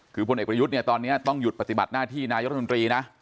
คือพลเอกประยุทธ์เนี่ยตอนนี้ต้องหยุดปฏิบัติหน้าที่นายรัฐมนตรีนะ